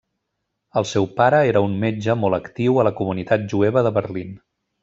El seu pare era un metge molt actiu a la comunitat jueva de Berlín.